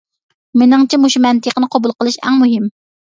مېنىڭچە، مۇشۇ مەنتىقىنى قوبۇل قىلىش ئەڭ مۇھىم.